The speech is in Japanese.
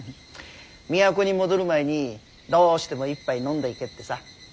都に戻る前にどうしても一杯飲んでいけってさ。